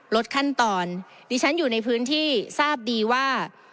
ลดขั้นตอนดิฉันอยู่ในพื้นที่ทราบดีว่า